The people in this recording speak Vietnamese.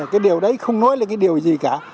cái điều đấy không nói là cái điều gì cả